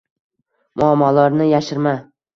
muammolarni yashirma